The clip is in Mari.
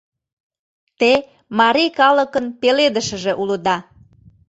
Те марий калыкын пеледышыже улыда.